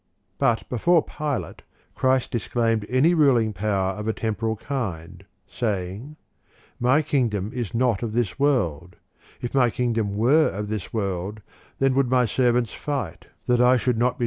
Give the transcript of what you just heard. ^ But before Pilate, Christ disclaimed any ruling power of a tem poral kind, saying, " My kingdom is not of this world : if my kingdom were of this world, then would my servants fight, that I should not be 2.